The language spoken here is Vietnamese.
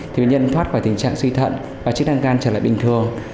thì bệnh nhân thoát khỏi tình trạng suy thận và chức năng gan trở lại bình thường